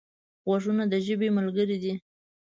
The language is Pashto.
غوږونه د ژبې ملګري دي